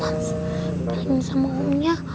moms tanya sama omnya